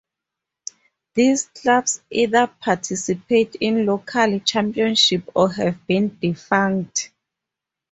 These clubs either participate in local championships or have been defunct.